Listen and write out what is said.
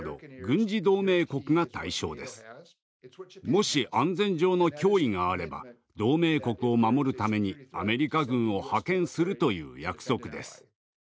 もし安全上の脅威があれば同盟国を守るためにアメリカ軍を派遣するという約束です。